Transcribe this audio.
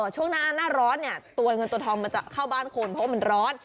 ช่วงหน้าร้อนเนี่ยตัวเงินตัวทองมันจะเข้าบ้านคนเพราะมันร้อน